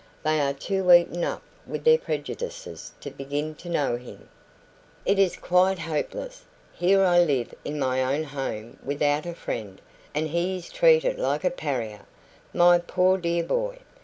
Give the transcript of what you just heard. They are too eaten up with their prejudices to begin to know him.... "It is quite hopeless! Here I live in my own home without a friend, and he is treated like a pariah, my poor dear boy!